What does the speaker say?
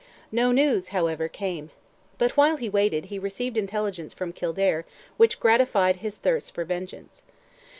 No news, however, came. But while he waited, he received intelligence from Kildare which gratified his thirst for vengeance.